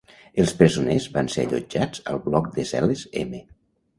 Els presoners van ser allotjats al bloc de cel·les M.